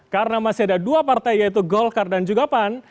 karena masih ada dua partai yaitu golkar dan juga pan